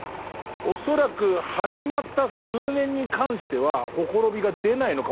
恐らく始まった数年に関してはほころびが出ないのかもしれないです